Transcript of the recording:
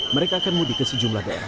mereka akan mudik ke sejumlah daerah